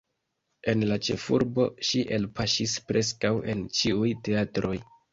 En la ĉefurbo ŝi elpaŝis preskaŭ en ĉiuj teatroj.